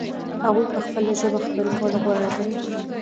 هغوی په خپله ژبه خبرې کول غوره ګڼي.